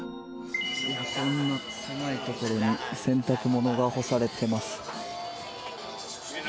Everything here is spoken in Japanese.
こんな狭いところに洗濯物が干されています。